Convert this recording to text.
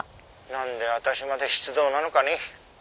「なんで私まで出動なのかね」